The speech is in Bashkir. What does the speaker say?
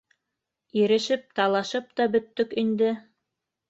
Ирешеп, талашып та бөттөк инде.